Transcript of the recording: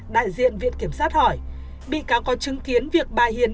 đại diện viện kiểm sát hỏi bị cáo có chứng kiến việc bà hiền